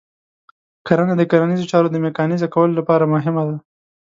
کرنه د کرنیزو چارو د میکانیزه کولو لپاره مهمه ده.